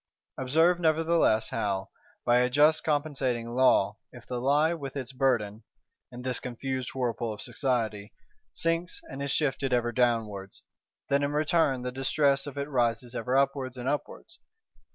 Observe nevertheless how, by a just compensating law, if the lie with its burden (in this confused whirlpool of Society) sinks and is shifted ever downwards, then in return the distress of it rises ever upwards and upwards.